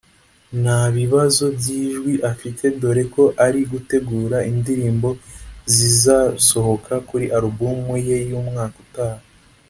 nta bibazo by’ijwi afite dore ko ari gutegura indirimbo zizasohoka kuri album ye y’umwaka utaha